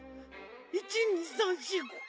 １２３４５６。